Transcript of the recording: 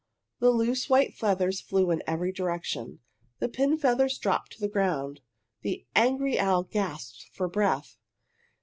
The loose white feathers flew in every direction. The pin feathers dropped to the ground. The angry owl gasped for breath.